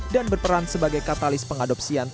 dan berperan sebagai katalis pengadopsian teknologi